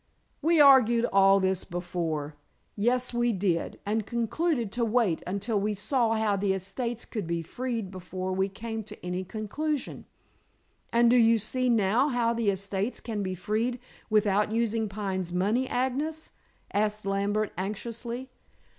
"We argued all this before." "Yes, we did, and concluded to wait until we saw how the estates could be freed before we came to any conclusion." "And do you see now how the estates can be freed without using Pine's money, Agnes?" asked Lambert anxiously.